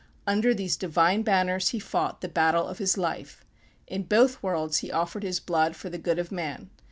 Under these divine banners he fought the battle of his life. In both worlds he offered his blood for the good of man.